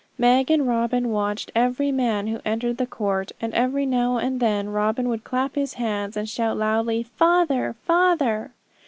Meg and Robin watched every man who entered the court; and every now and then Robin would clap his hands, and shout loudly, 'Father, father!'